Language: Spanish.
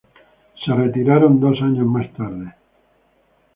Se retiraron dos años más tarde.